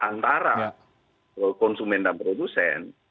antara konsumen dan produsen